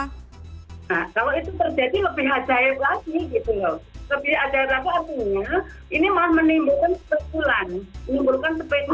nah kalau itu terjadi lebih ajaib lagi gitu loh